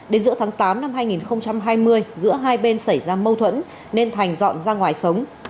đến giữa tháng tám năm hai nghìn hai mươi giữa hai bên xảy ra mâu thuẫn nên thành dọn ra ngoài sống